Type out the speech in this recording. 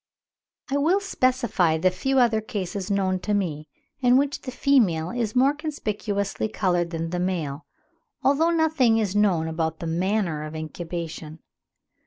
I will specify the few other cases known to me, in which the female is more conspicuously coloured than the male, although nothing is known about the manner of incubation.